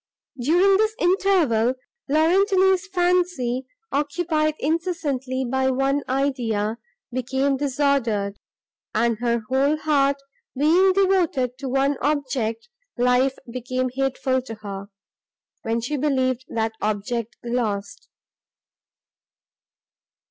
During this interval, Laurentini's fancy, occupied incessantly by one idea, became disordered; and, her whole heart being devoted to one object, life became hateful to her, when she believed that object lost.